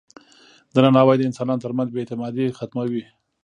درناوی د انسانانو ترمنځ بې اعتمادي ختموي.